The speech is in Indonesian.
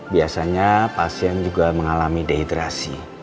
biasanya pasien juga mengalami dehidrasi